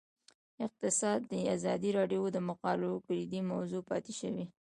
اقتصاد د ازادي راډیو د مقالو کلیدي موضوع پاتې شوی.